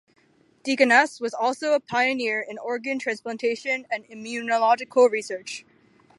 Deaconess was also a pioneer in organ transplantation and immunological research.